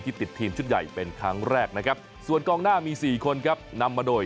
ติดทีมชุดใหญ่เป็นครั้งแรกนะครับส่วนกองหน้ามีสี่คนครับนำมาโดย